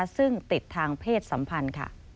ซึ่งติดทางเพศสัมพันธ์